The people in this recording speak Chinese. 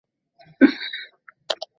朱常清与福州诸王退往广州。